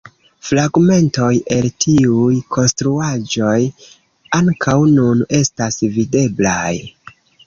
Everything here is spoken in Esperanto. Fragmentoj el tiuj konstruaĵoj ankaŭ nun estas videblaj.